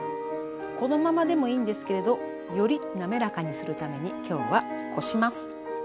このままでもいいんですけれどよりなめらかにするために今日はこします。